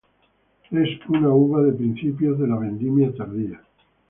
Es una uva de principios de la vendimia tardía.